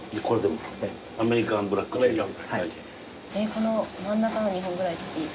この真ん中の２本ぐらいいいですか？